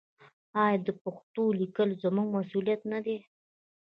آیا د پښتو لیکل زموږ مسوولیت نه دی؟